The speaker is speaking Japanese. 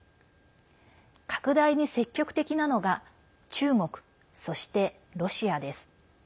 拡大に積極的なのが中国そしてロシアです。